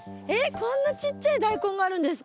こんなちっちゃいダイコンがあるんですか？